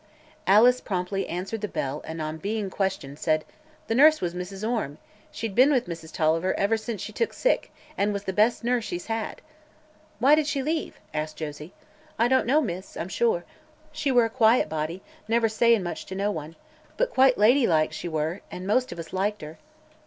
Alice promptly answered the bell and on being questioned said: "The nurse was Mrs. Orme. She'd been with Mrs. Tolliver ever since she was took sick, and was the best nurse she's had." "Why did she leave?" asked Josie. "I don't know, miss, I'm sure. She were a quiet body, never sayin' much to no one. But quite ladylike, she were, an' most of us liked her."